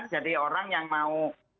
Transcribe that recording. jadi orang yang mau